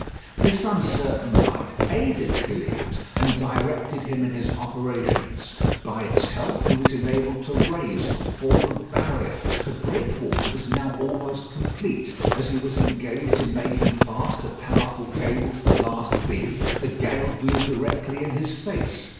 This uncertain light aided Gilliatt, and directed him in his operations. By its help he was enabled to raise the forward barrier. The breakwater was now almost complete. As he was engaged in making fast a powerful cable to the last beam, the gale blew directly in his face.